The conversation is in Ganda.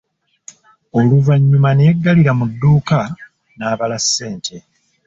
Oluvannyuma ne yeggalira mu dduuka n'abala ssente.